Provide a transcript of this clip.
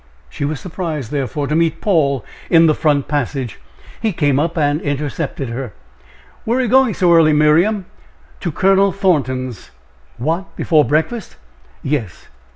She was surprised, therefore, to meet Paul in the front passage. He came up and intercepted her: "Where are you going so early, Miriam?" "To Colonel Thornton's." "What? Before breakfast?" "Yes."